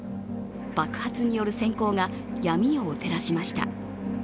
爆発による閃光が闇夜を照らしました。